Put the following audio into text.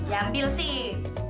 ya ambil sih